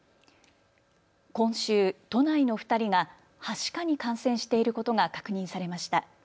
今週、都内の２人がはしかに感染していることが確認されました。